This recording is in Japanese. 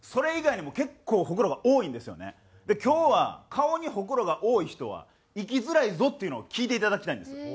今日は顔にホクロが多い人は生きづらいぞっていうのを聞いていただきたいんですよ。